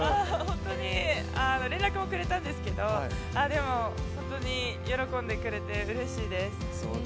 連絡もくれたんですけどでも喜んでくれてうれしいです。